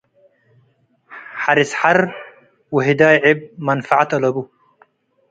. ሐርስ ሐር ወህዳይ ዕብ መንፈዐት አለቡ፣